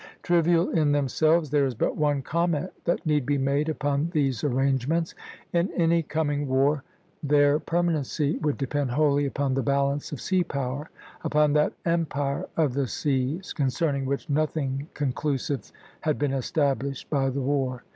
Trivial in themselves, there is but one comment that need be made upon these arrangements. In any coming war their permanency would depend wholly upon the balance of sea power, upon that empire of the seas concerning which nothing conclusive had been established by the war.